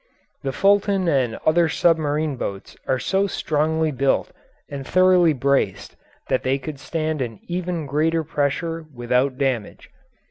The Fulton and other submarine boats are so strongly built and thoroughly braced that they could stand an even greater pressure without damage.